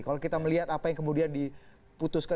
kalau kita melihat apa yang kemudian diputuskan